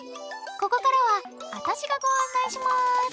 ここからはあたしがご案内します。